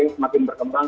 yang semakin berkembang